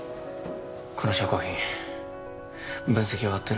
この証拠品分析終わってる？